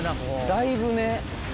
だいぶね。